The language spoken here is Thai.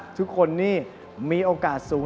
ทุกคนนี่มีโอกาสสูง